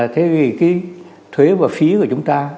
thế thì cái thuế và phí của chúng ta